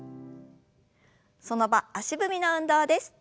その場足踏みの運動です。